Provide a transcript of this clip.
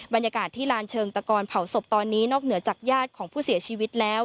บรรยากาศที่ลานเชิงตะกอนเผาศพตอนนี้นอกเหนือจากญาติของผู้เสียชีวิตแล้ว